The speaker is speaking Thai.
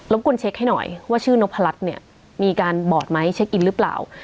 บกวนเช็คให้หน่อยว่าชื่อนพรัชเนี่ยมีการบอดไหมเช็คอินหรือเปล่า